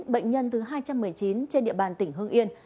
bệnh nhân thứ hai trăm một mươi chín trên địa bàn tỉnh hương yên